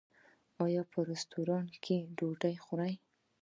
ایا په رستورانت کې ډوډۍ خورئ؟